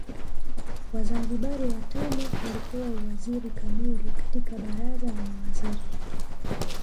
Wazanzibari watano walipewa uwaziri kamili katika Baraza la Mawaziri